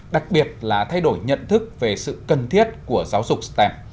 đặc biệt là thay đổi nhận thức về sự cần thiết của giáo dục stem